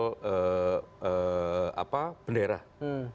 agenda agenda ketegangan itu misalnya soal